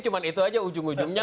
cuma itu aja ujung ujungnya